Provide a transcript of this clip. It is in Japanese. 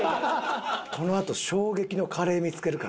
このあと衝撃のカレー見つけるからな。